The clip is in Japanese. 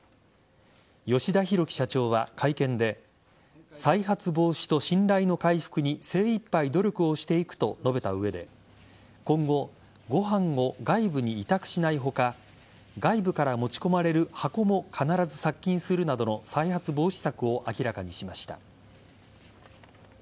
吉田広城社長は、会見で再発防止と信頼の回復に精いっぱい努力をしていくと述べた上で今後、ご飯を外部に委託しない他外部から持ち込まれる箱も必ず殺菌するなどの再発防止策を明らかにしました。